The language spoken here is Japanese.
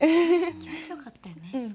気持ちよかったよね。